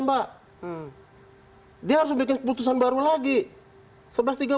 mbak dia harus membuat keputusan baru lagi